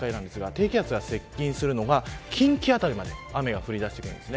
低気圧が接近するのが近畿辺りまで雨が降りだしてきます。